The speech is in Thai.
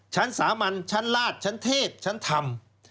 ชั้นสามัญชั้นลาดชั้นเทพชั้นธรรม